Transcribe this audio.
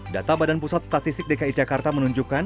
data badan pusat statistik dki jakarta menunjukkan